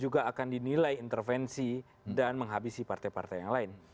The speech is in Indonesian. juga akan dinilai intervensi dan menghabisi partai partai yang lain